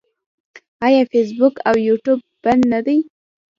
آیا فیسبوک او یوټیوب بند نه دي؟